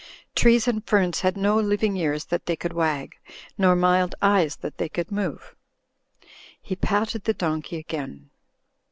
Trees and ferns had no living ears that they could wag nor mild eyes that they could move. He patted the don key again.